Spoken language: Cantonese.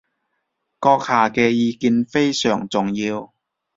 閣下嘅意見非常重要